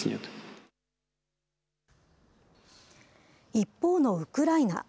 一方のウクライナ。